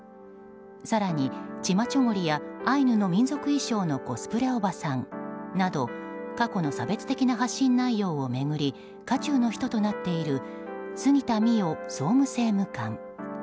更に、チマチョゴリやアイヌの民族衣装のコスプレおばさんなど過去の差別的な発信内容を巡り渦中の人となっている杉田水脈総務政務官。